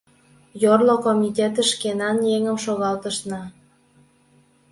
Йорло комитетыш шкенан еҥым шогалтышна.